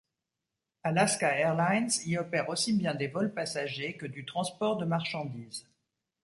Alaska Airlines y opère aussi bien des vols passagers que du transport de marchandises.